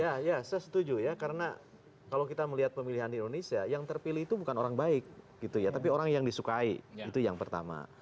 ya ya saya setuju ya karena kalau kita melihat pemilihan di indonesia yang terpilih itu bukan orang baik gitu ya tapi orang yang disukai itu yang pertama